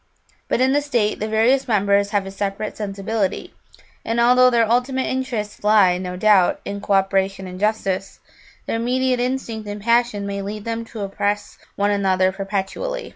But in the state the various members have a separate sensibility, and, although their ultimate interests lie, no doubt, in co operation and justice, their immediate instinct and passion may lead them to oppress one another perpetually.